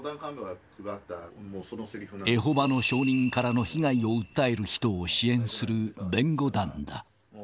エホバの証人からの被害を訴える人を支援する弁護団だ。